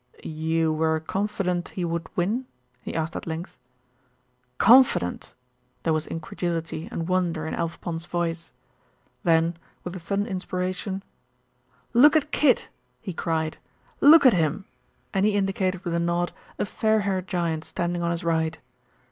"You were confident he would win?" he asked at length. "Confident!" There was incredulity and wonder in Alf Pond's voice. Then, with a sudden inspiration, "Look at Kid!" he cried "look at him!" and he indicated with a nod a fair haired giant standing on his right.